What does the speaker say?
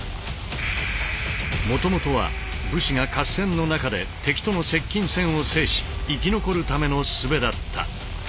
もともとは武士が合戦の中で敵との接近戦を制し生き残るための術だった。